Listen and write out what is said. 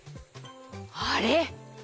あれ？